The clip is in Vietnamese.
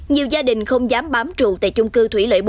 nhiều gia đình không dám bám trụ tại chung cư thủy lợi bốn